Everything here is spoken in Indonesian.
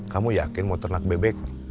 kamu yakin mau ternak bebek